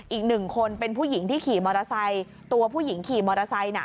อีกหนึ่งคนเป็นผู้หญิงที่ขี่มอเตอร์ไซค์ตัวผู้หญิงขี่มอเตอร์ไซค์น่ะ